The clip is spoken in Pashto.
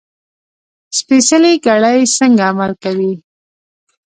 سپېڅلې کړۍ څنګه عمل کوي.